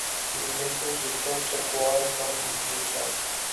لیکن کچھ ذکر چکوال کا بھی ہو جائے۔